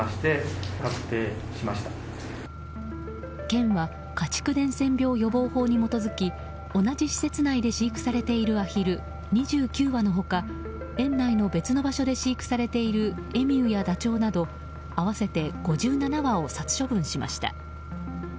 県は家畜伝染病予防法に基づき同じ施設内で飼育されているアヒル２９羽の他園内の別の場所で飼育されているエミューやダチョウなど合わせて５７羽を殺処分しました。